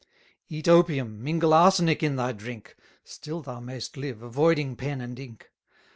Eat opium, mingle arsenic in thy drink, Still thou mayst live, avoiding pen and ink.